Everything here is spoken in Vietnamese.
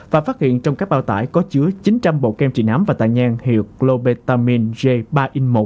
và phát hiện trong các bao tải có chứa chín trăm linh bộ kem trị nám và tạ nhang hiệu globetamin j ba in một